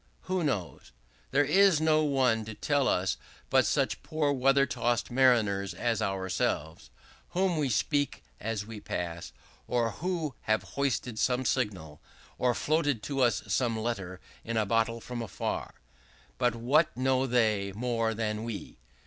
Who knows? There is no one to tell us but such poor weather tossed mariners as ourselves, whom we speak as we pass, or who have hoisted some signal, or floated to us some letter in a bottle from far. But what know they more than we?